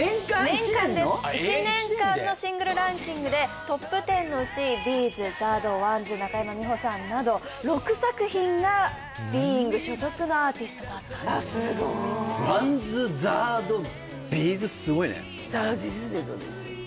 年間です１年間のシングルランキングでＴＯＰ１０のうちＢ’ｚＺＡＲＤＷＡＮＤＳ中山美穂さんなど６作品がビーイング所属のアーティストだったとすごいＷＡＮＤＳＺＡＲＤＢ’ｚすごいね「ざじずぜぞ」ですよ